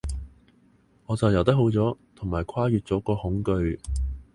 我就游得好咗，同埋跨越咗個恐懼